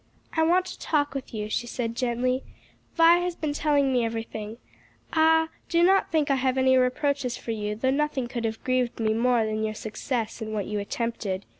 "I want to talk with you," she said gently, "Vi has been telling me everything. Ah, do not think I have any reproaches for you, though nothing could have grieved me more than your success in what you attempted."